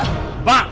apa sih pak